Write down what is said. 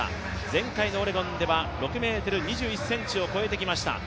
前回のオレゴンでは６ｍ２１ｃｍを越えてきました。